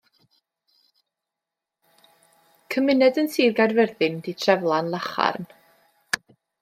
Cymuned yn Sir Gaerfyrddin ydy Treflan Lacharn.